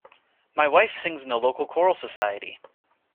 My wife sings in the local choral society